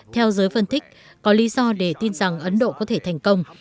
theo giới phân tích có lý do để tin rằng ấn độ có thể thành công